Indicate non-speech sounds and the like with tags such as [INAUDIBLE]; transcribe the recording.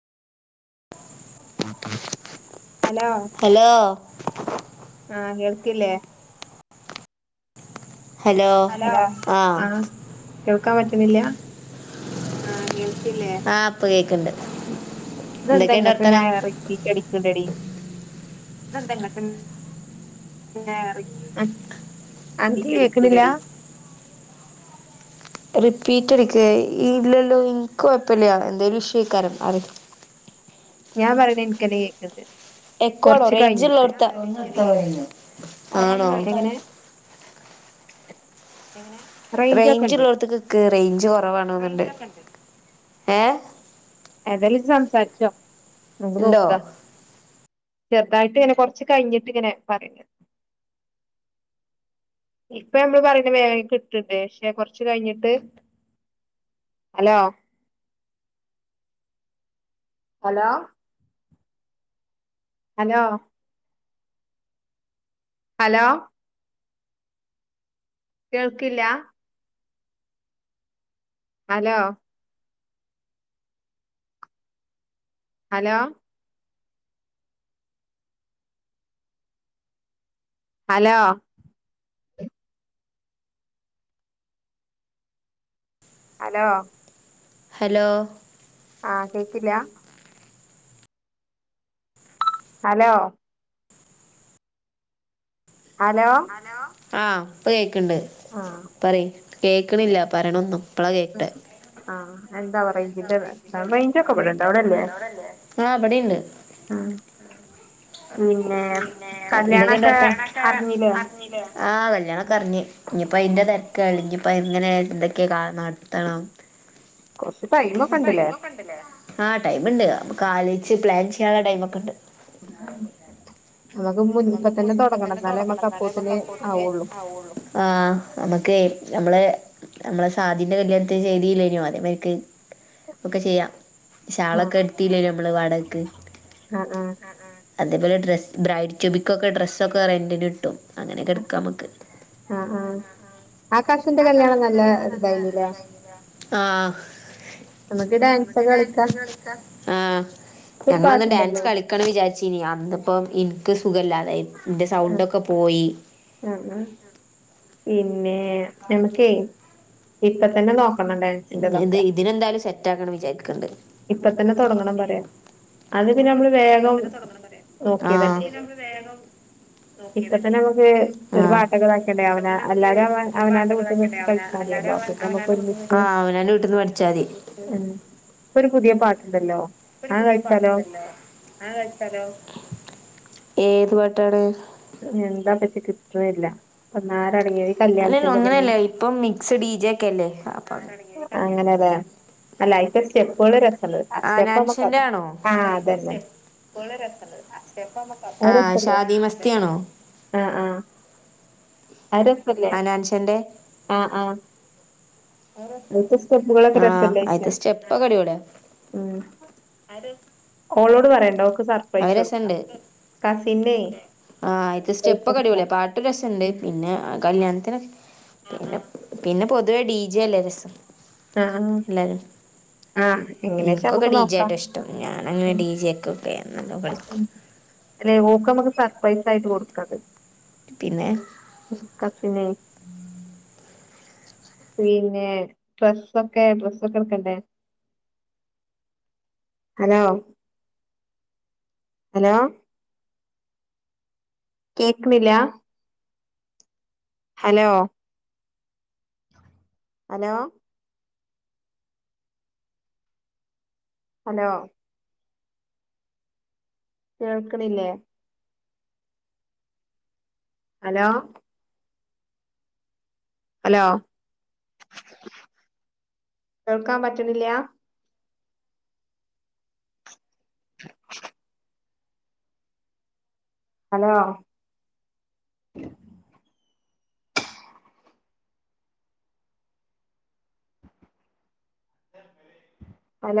[UNINTELLIGIBLE] Hello hello ആഹ് കേ ക്കില്ലെ ഹലോ ആഹ് ണില്ല ആഹ് ഇപ്പ കേക്കണ്ട് ഇതെന്താങ്ങട്ടന്നെ റിപ്പീറ്റ് അടിക്കുണ്ടടി പിന്നെ ളം അനക്ക് കേക്കണില്ലാ റിപ്പീറ്റ് അടിക്കെ ഇല്ലല്ലോ എനിക്കോയപ്പില്ല എന്തെലും ഇഷ്യു കാണും അ ഞാൻ പറയണ എനിക്കന്നെ കേക്കണ്ട് എക്കോണോ കൊറച്ച് കഴിഞ്ഞിട്ട് റേഞ്ച്ള്ളോടുത്താണൊന്ന് നിക്കണത് ന്ന് ആണോ എങ്ങനെ [INAUDIBLE] റേഞ്ച് ഒക്കെ ഉണ്ട് റേഞ്ച്ള്ളോട്ത്ത്ക്ക്ക്ക് റേഞ്ച് കൊറവാ കൊറവാ തോന്ന്ണണ്ട് ഏതാലും ഇജ്ജ് സംസാര്ച്ചോ നമുക്ക് ഇണ്ടോ നോക്ക ചെറുതായിട്ട്ങ്ങനെ കൊർച്ച് കഴിഞ്ഞിട്ട് ങ്ങനെ പറയു ഇപ്പൊമ്മള് പറയുന്ന വേഗം കിട്ട്ണ്ട് പക്ഷെ കൊറച്ച് കഴിഞ്ഞിട്ട് ഹലോ ഹലോ ഹലോ ഹലോ കേൾക്കില്ല? Hello hello hello hello hello ആ കേക്കില്ല? ഹലോ ഹലോ ആ ഇപ്പ കേക്ക്ണ്ട് ആഹ് പറയ് കേൾക്ക്ണില്ല പറയണൊന്നും പ്പള കേട്ടത് ആഹ് എന്താ റേഞ്ചിന്റെ റേഞ്ചൊക്കെ ഇവിടെണ്ട് അവിടെല്ലേ ആ ബ്ടെണ്ട് പിന്നെ പിന്നെ എന്തൊക്കെണ്ട് കല്യാണൊക്കെ വർത്താനം അറിഞ്ഞില്ലേ ആ കല്യാണൊക്കെ അറിഞ്ഞ് ഇഞ്ഞ്പ്പോ ഏഹ് അയിന്റെ തിരക്ക ഇഞ്ഞ്പ്പങ്ങന എന്തൊക്കെയ നടത്തണം കൊറച്ച് ടൈമൊക്കെ ഇണ്ട്ല്ലേ ആ ടൈമ്ണ്ട് ക്കാല്ച്ച് പ്ലാൻ ചെയ്യാള്ള ടൈമൊക്കെണ്ട് [UNINTELLIGIBLE] മുൻ ഇപ്പ തന്നെ തൊടങ്ങണം എന്നാലേ നമ്മക്ക് അപ്പോത്തിന് ആവുള്ളൂ ആ നമുക്കെ നമ്മളെ നമളെ സാധി ന്റെ കല്യാണത്തിന് ചെയ്തീല്ല്യൻയോ അതെ മാരിക്ക് ഒക്കെ ചെയ്യാം ആഹ് ശാളൊക്കെട് ത്തില്ലേന്യോ നമ്മള് വാടകക്ക്- ആഹ് ആഹ് അതേപോലെ ഡ്രസ് ബ്രൈഡ് റ്റുബികൊക്കെ ഡ്രസ്സൊക്കെ റെന്റിന് ട്ടും അങ്ങനൊക്കെ എടുക്കാമ്മക്ക് ആഹ് ആഹ് ആകാശിന്റെ കല്യാണം നല്ല ഇതായിനില്ലേ ആ നമുക്ക് ഡാൻസ് ഒക്കെ കളിക്കാം ആ ഒരു ഞങ്ങളന്നു ഡാൻസ് പാട്ടുണ്ടല്ലോ കളിക്ക വിചാരിച്ചീനി അന്ന്‌പ്പോ ഇൻ ക്ക് സുഖല്ലാതായിനി ന്റെ സൗണ്ടൊക്കെ പോയി ആ ആ പിന്നെ നമുക്കെ ഇപ്പ തന്നെ നോക്ക ഇങ്ങ- ഇത് [UNINTELLIGIBLE] ഇതിനെന്തായാലും സെറ്റാക്കണം വിചാരിക്കുന്നുണ്ട് ഇപ്പത്തന്നെ തൊട്ങ്ങണംന്ന്പറയാ അന്ന് പിന്നെ നമ്മൾ വേഗം ആ നോക്കീത [UNINTELLIGIBLE] ഇപ്പത്തന്നെ നമുക്ക് ആ ഒരു പാട്ടൊക്കെ ഇതാക്കിട്ടെ എല്ലാരും അവൻ [UNINTELLIGIBLE] വീട്ടന്ന് വെച്ച് കളിചാൽതിയല്ലോ പിന്നെ നമുക്ക് ഒരു ആഹ് അവനന്റെ വീട്ടിൽന്ന് പഠിച്ചാതി ഇപ്പൊ ഒരു പുതിയ പാട്ടുണ്ടല്ലോ ഇപ്പൊ ഒരു അത് പുതിയ പാട്ട് കളിച്ചാലോ ണ്ടല്ലോ അത് കളിച്ചാലോ ഏത് പാട്ടാണ് എന്താപ്പച്ച [UNINTELLIGIBLE] അല്ലല്ല കല്യാണത്തിന്റെ തന്നെ അങ്ങനെയല്ല ഇപ്പം മിക്സ് ഡി ജെ ക്കെ അല്ലേ അപ്പം അങ്ങനെതെ അല്ല അയി [UNINTELLIGIBLE] ആനാൻഷന്റെ ആണോ അതന്നെ അത് [INAUDIBLE] ആ രസല്ലേ ഷാദി മസ്തിയാണോ അരഫല്ലേ ആ ആ [INAUDIBLE] ആ രസല്ലേച്ച ആയിത്ത സ്റ്റെപ്പക്കെ അടിപൊളിയ ഉം [UNINTELLIGIBLE] ഓളോട് പറയണ്ടോ അ രസുണ്ട് ആ ആയിത്തെ സർപ്രൈസ് സ്റ്റെപ്പൊ കൊടുക്കാം അടിപൊളിയാ പാട്ട് രസുണ്ട് ഉം പിന്നെ കല്യാണ [UNINTELLIGIBLE] പിന്നെ പിന്നെ പൊതുവേ ഡി ജെ അല്ലേ രസ ആഹ് എല്ലാരും ആഹ് എങ്ങനെച്ചാ എനിക്കൊക്കെ നമുക്ക് ഡിജെ നോക്കാം ആയിട്ട് ഇഷ്ടം ഞാൻ അങ്ങനെ ഡിജെ ഒക്കെ നല്ലോണം കളിക്കും അല്ലേ [INAUDIBLE] പൈസ ആയിട്ട് കൊടുക്കത് പിന്നെ [INAUDIBLE] പിന്നെ ഡ്രസ്സൊക്കെ ഡ്രസ്സൊക്കെ എടുക്കണ്ടേ ഹലോ ഹലോ കേൾക്കണില്ല ഹലോ ഹലോ ഹലോ കേൾക്ക്ണില്ലേ ഹലോ ഹലോ കേൾക്കാൻ പറ്റുന്നില്ലാ [INAUDIBLE] ഹലോ [UNINTELLIGIBLE]